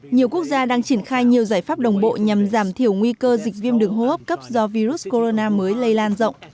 nhiều quốc gia đang triển khai nhiều giải pháp đồng bộ nhằm giảm thiểu nguy cơ dịch viêm đường hô hấp cấp do virus corona mới lây lan rộng